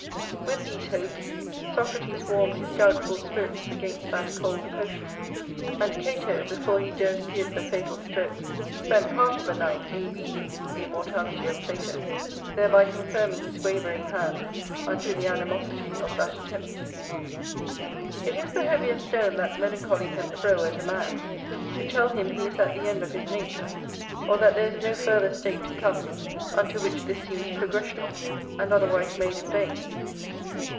With these hopes, Socrates warmed his doubtful spirits against that cold potion; and Cato, before he durst give the fatal stroke, spent part of the night in reading the Immortality of Plato, thereby confirming his wavering hand unto the animosity of that attempt. It is the heaviest stone that melancholy can throw at a man, to tell him he is at the end of his nature; or that there is no further state to come, unto which this seems progressional, and otherwise made in vain.